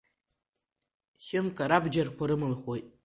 Хьымка рабџьарқәа рымылхуеит.